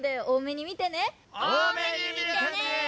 おおめにみてね！